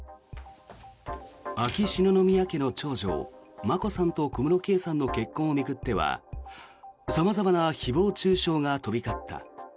秋篠宮家の長女・眞子さんと小室圭さんの結婚を巡っては様々な誹謗・中傷が飛び交った。